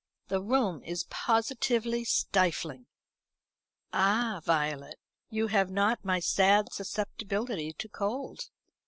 The room is positively stifling." "Ah Violet, you have not my sad susceptibility to cold."